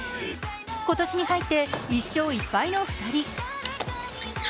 今年に入って１勝１敗の２人。